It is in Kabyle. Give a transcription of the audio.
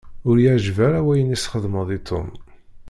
Ur y-iεǧib ara wayen i s-txedmeḍ i Tom.